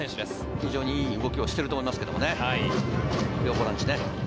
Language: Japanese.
非常にいい動きをしていると思いますけどね、両ボランチ。